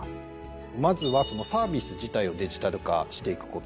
まずはサービス自体をデジタル化していくことです。